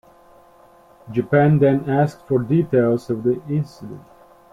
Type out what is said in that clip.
Japan then asked for details of the incident.